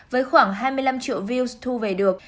với khoảng hai mươi năm triệu views thu về được